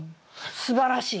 すばらしい。